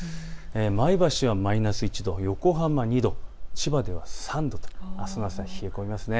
前橋はマイナス１度、横浜２度、千葉では３度とあすの朝は冷え込みます。